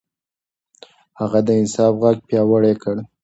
هغه د انصاف غږ پياوړی کړ.